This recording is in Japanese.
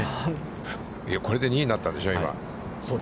これで２位になったんでしょう、今。